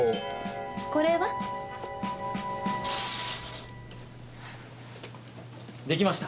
これは？できました。